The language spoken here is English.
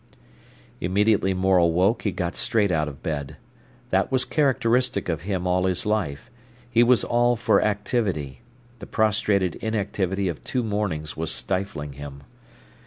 Immediately Morel woke he got straight out of bed. That was characteristic of him all his life. He was all for activity. The prostrated inactivity of two mornings was stifling him.